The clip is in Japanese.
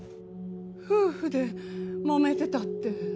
夫婦でもめてたって。